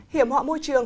hiểm họa môi trường